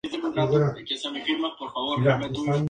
La mayoría de sus estudiantes fueron asesinados por los nazis.